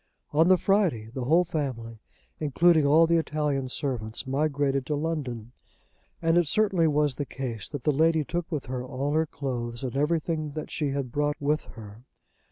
On the Friday the whole family, including all the Italian servants, migrated to London, and it certainly was the case that the lady took with her all her clothes and everything that she had brought with her.